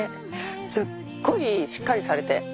すっごいしっかりされて。